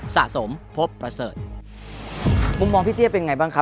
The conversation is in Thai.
สะสมพบเปรษว่ามองพี่เทียเป็นไงบ้างครับ